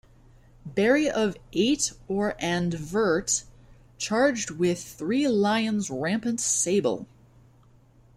Barry of eight or and vert, charged with three lions rampant sable.